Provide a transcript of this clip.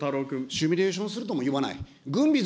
シミュレーションするとも言わない。